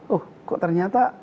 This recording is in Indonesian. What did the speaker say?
oh kok ternyata